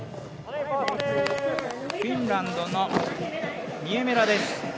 フィンランドのニエメラです。